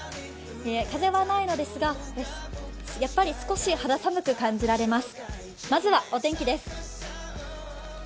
風はないのですが、やっぱり少し肌寒く感じられます。